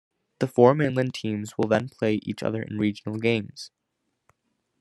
The four mainland teams will then play each other in regional games.